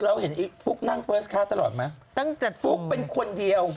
เราเห็นไอ้ฟุ๊กนั่งเฟิร์สคาร์ตลอดไหมตั้งแต่ฟุ๊กเป็นคนเดียว